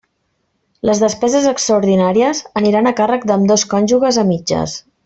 Les despeses extraordinàries aniran a càrrec d'ambdós cònjuges a mitges.